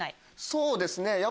そうですね。